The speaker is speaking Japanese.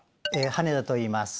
羽根田といいます。